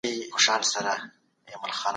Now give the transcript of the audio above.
د بدن لپاره مېوې د روغتیا خزانه ده.